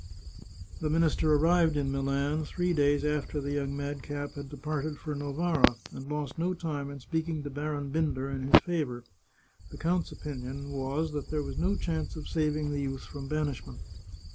The minister arrived in Milan three days after the young madcap had departed for Novara, and lost no time in speaking to Baron Binder in his favour. The count's opinion was, that there was no chance of saving the youth from banishment.